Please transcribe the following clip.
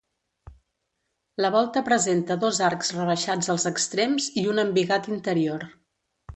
La volta presenta dos arcs rebaixats als extrems i un embigat interior.